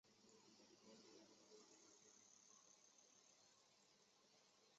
为堤厄斯忒斯与其女菲洛庇亚为推翻阿特柔斯所生。